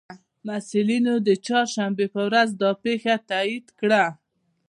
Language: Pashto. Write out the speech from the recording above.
مسئولینو د چهارشنبې په ورځ دا پېښه تائید کړه